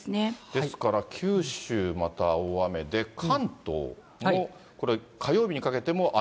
ですから、九州また大雨で、関東も、これ、火曜日にかけても雨？